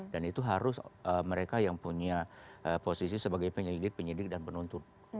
dan itu harus mereka yang punya posisi sebagai penyelidik penyelidik dan penuntut